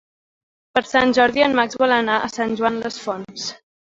Per Sant Jordi en Max vol anar a Sant Joan les Fonts.